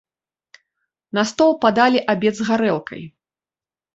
На стол падалі абед з гарэлкай.